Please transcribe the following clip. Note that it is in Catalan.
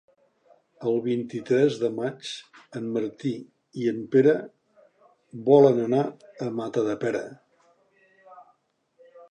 El vint-i-tres de maig en Martí i en Pere volen anar a Matadepera.